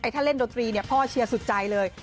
ถ้าเล่นดนตรีพ่อเชียร์สุดใจเลย